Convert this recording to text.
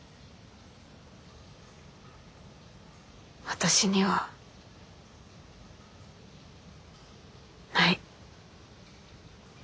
私にはない。